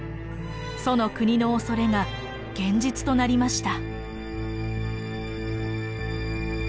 楚の国の恐れが現実となりました。